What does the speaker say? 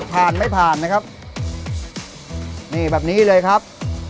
ผ่านไม่ผ่านนะครับ